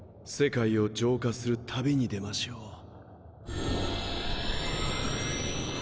世界を浄化する旅に出ましょう。